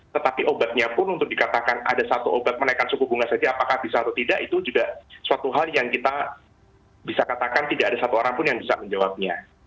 tetapi obatnya pun untuk dikatakan ada satu obat menaikkan suku bunga saja apakah bisa atau tidak itu juga suatu hal yang kita bisa katakan tidak ada satu orang pun yang bisa menjawabnya